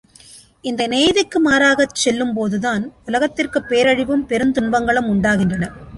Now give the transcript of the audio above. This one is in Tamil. இந்த நியதிக்கு மாறாகச் செல்லும் போதுதான், உலகத்திற்குப் பேரழிவும், பெருந் துன்பங்களும் உண்டாகின்றன.